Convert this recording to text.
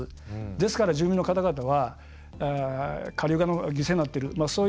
ですから、住民の方々は下流のために犠牲になっている。